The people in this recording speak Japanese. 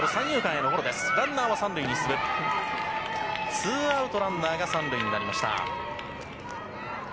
ツーアウト、ランナー３塁になりました。